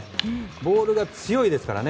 ボールが強いですからね。